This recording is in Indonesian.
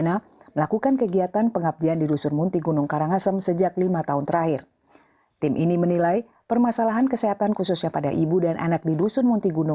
kalau kita mau turun ke dokter harus cari ojek dulu